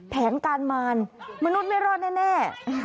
แผนการมารมนุษย์ไม่รอดแน่